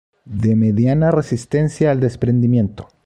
De mediana resistencia al desprendimiento.